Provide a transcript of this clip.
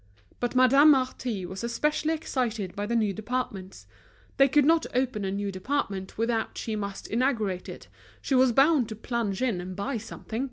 But Madame Marty was especially excited by the new departments; they could not open a new department without she must inaugurate it, she was bound to plunge in and buy something.